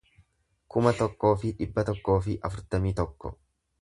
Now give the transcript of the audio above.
kuma tokkoo fi dhibba tokkoo fi afurtamii tokko